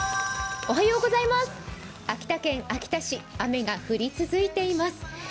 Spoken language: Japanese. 秋田県秋田市、雨が降り続いています。